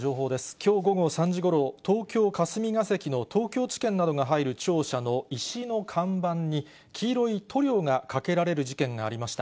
きょう午後３時ごろ、東京・霞が関の東京地検などが入る庁舎の石の看板に、黄色い塗料がかけられる事件がありました。